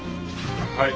はい。